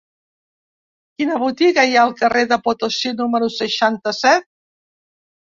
Quina botiga hi ha al carrer de Potosí número seixanta-set?